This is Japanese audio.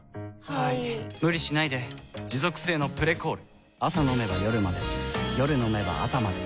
はい・・・無理しないで持続性の「プレコール」朝飲めば夜まで夜飲めば朝まで